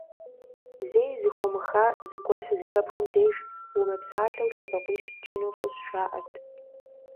Зэи зэхыумыха зыгуэр щызэхэпхым деж, умыпсалъэу лъэбакъуищ пчыну фӀыщ, жаӀэрт.